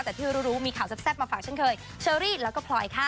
แต่ที่รู้มีข่าวแซ่บมาฝากเช่นเคยเชอรี่แล้วก็พลอยค่ะ